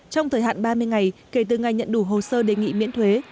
trong thời hạn ba mươi ngày kể từ ngày nhận đủ hồ sơ đề nghị miễn thuế